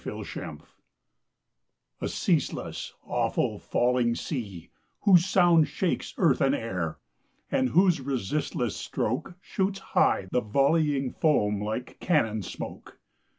NIAGARA A ceaseless, awful, falling sea, whose sound Shakes earth and air, and whose resistless stroke Shoots high the volleying foam like cannon smoke!